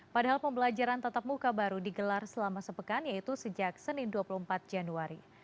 padahal pembelajaran tatap muka baru digelar selama sepekan yaitu sejak senin dua puluh empat januari